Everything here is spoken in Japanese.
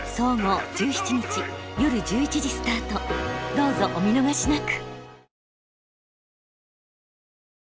どうぞお見逃しなく！